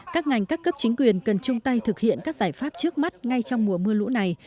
các ngành các cấp chính quyền cần chung tay thực hiện các giải pháp trước mắt ngay trong mùa mưa lũ này